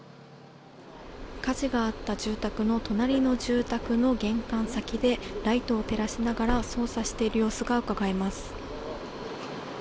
火事があった住宅の隣の住宅の玄関先でライトを照らしながら捜査している様子がうかがえます。